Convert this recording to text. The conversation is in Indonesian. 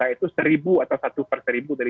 itu seribu atau satu per seribu dari